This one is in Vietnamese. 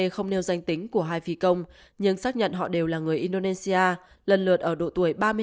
không nêu danh tính của hai phi công nhưng xác nhận họ đều là người indonesia lần lượt ở độ tuổi ba mươi năm